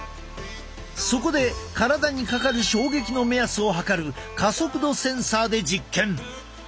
そこで体にかかる衝撃の目安を測る加速度センサーで実験！